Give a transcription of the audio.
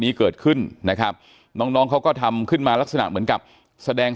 นี้เกิดขึ้นนะครับน้องน้องเขาก็ทำขึ้นมาลักษณะเหมือนกับแสดง